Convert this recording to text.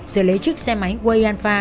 rồi lấy chiếc xe máy wayanfa